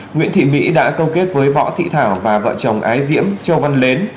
nguyễn thị mỹ đã câu kết với võ thị thảo và vợ chồng ái diễm châu văn mến